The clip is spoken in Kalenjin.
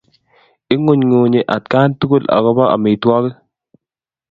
Ing'unyng'unyi atkan tukul akobo amitwogik.